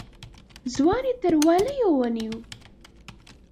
ځوان يې تر وليو ونيو.